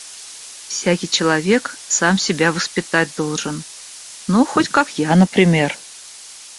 Всякий человек сам себя воспитать должен - ну хоть как я, например...